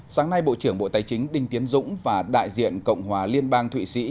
sáng nay bộ trưởng bộ tài chính đinh tiến dũng và đại diện cộng hòa liên bang thụy sĩ